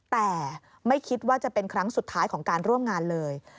แต่ไม่คิดว่าจะเป็นครั้งสุดท้ายของการร่วมงานเลย